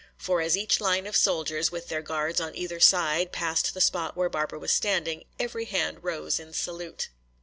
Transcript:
For as each line of soldiers, with their guards on either side, passed the spot where Barbara was standing, every hand rose in salute.